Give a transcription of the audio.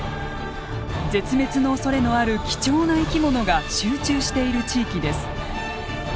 絶滅のおそれのある貴重な生き物が集中している地域です。